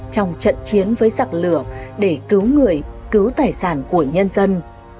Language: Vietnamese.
trong trận chiến với giặc lửa để cứu người cứu tài sản của nhân dân